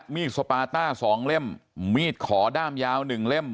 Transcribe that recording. มีดสปาต้าสองเล่มมีดขอด้ามยาวหนึ่งเล่ม